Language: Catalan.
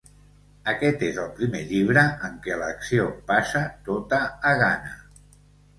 Aquest és el primer llibre en què l'acció passa tota a Ghana.